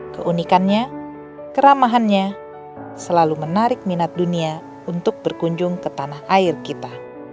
keunikannya keramahannya selalu menarik minat dunia untuk berkunjung ke tanah air kita